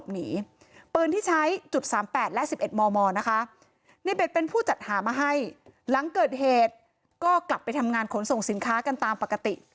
นี่เป็นผู้จัดหามาให้หลังเกิดเหตุก็กลับไปทำงานขนส่งสินค้ากันตามปกติ